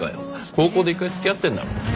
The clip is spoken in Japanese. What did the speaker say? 高校で一回付き合ってんだろ。